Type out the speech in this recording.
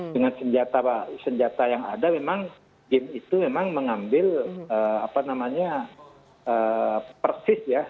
dengan senjata yang ada memang game itu memang mengambil persis ya